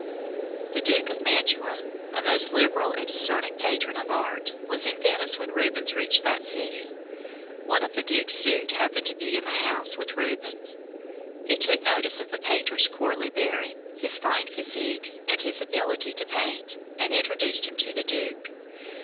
The Duke of Mantua, a most liberal and discerning patron of art, was in Venice when Rubens reached that city. One of the Duke's suite happened to be in the house with Rubens. He took notice of the painter's courtly bearing, his fine physique, and his ability to paint, and introduced him to the Duke.